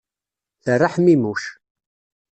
Terra ḥmimuc.